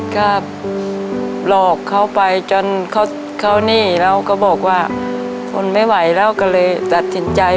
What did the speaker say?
ก็หลอกเขาไปจนเขานี่เราก็บอกว่าทนไม่ไหวแล้วก็เลยตัดสินใจ